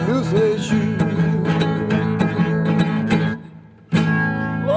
มีคนเดียว